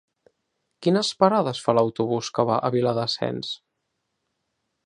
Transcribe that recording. Quines parades fa l'autobús que va a Viladasens?